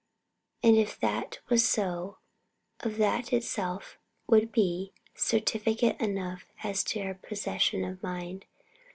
And if that was so, that of itself would be certificate enough as to her possession of mind.